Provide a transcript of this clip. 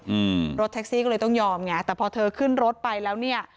อืมรถแท็กซี่ก็เลยต้องยอมไงแต่พอเธอขึ้นรถไปแล้วเนี้ย